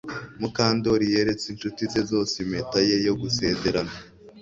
Mukandoli yeretse inshuti ze zose impeta ye yo gusezerana